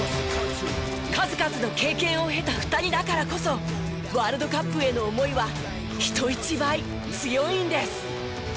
数々の経験を経た２人だからこそワールドカップへの思いは人一倍強いんです。